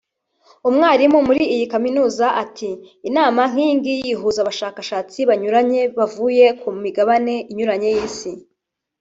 umwarimu muri iyi Kaminuza ati « inama nk’iyingiyi ihuza abashakashatsi banyuranye bavuye ku migabane inyuranye y’isi